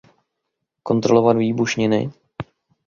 Kontrolovat výbušniny?